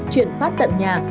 chuyển phát tận nhà